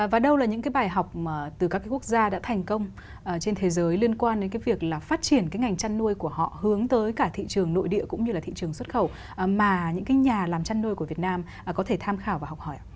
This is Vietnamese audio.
và đâu là những cái bài học từ các cái quốc gia đã thành công trên thế giới liên quan đến cái việc là phát triển cái ngành chăn nuôi của họ hướng tới cả thị trường nội địa cũng như là thị trường xuất khẩu mà những cái nhà làm chăn nuôi của việt nam có thể tham khảo và học hỏi ạ